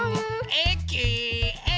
えきえき。